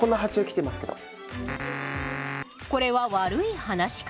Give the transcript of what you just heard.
これは悪い話し方。